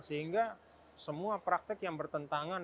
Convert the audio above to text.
sehingga semua praktek yang bertentangan